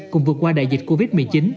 cùng vượt qua đại dịch covid một mươi chín